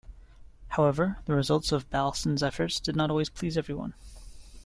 However, the results of Balsan's efforts did not always please everyone.